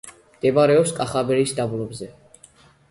მდებარეობს კახაბრის დაბლობზე.